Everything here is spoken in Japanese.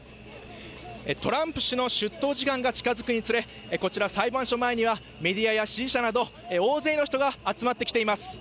トランプ氏の出頭時間が近づくにつれこちら裁判所前にはメディアや支持者など大勢の人が集まって来ています。